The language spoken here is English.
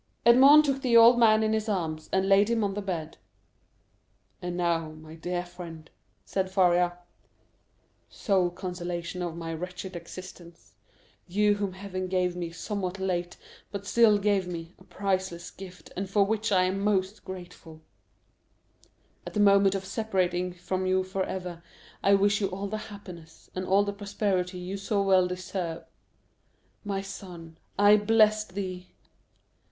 Edmond took the old man in his arms, and laid him on the bed. "And now, my dear friend," said Faria, "sole consolation of my wretched existence,—you whom Heaven gave me somewhat late, but still gave me, a priceless gift, and for which I am most grateful,—at the moment of separating from you forever, I wish you all the happiness and all the prosperity you so well deserve. My son, I bless thee!"